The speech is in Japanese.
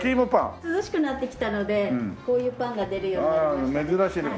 涼しくなってきたのでこういうパンが出るようになりましたね。